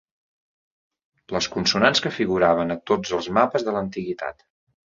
Les consonants que figuraven a tots els mapes de l'antiguitat.